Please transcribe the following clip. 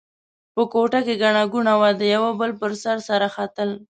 په کوټه کې ګڼه ګوڼه وه؛ د یوه بل پر سر سره ختل.